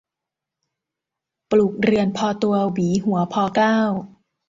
ปลูกเรือนพอตัว หวีหัวพอเกล้า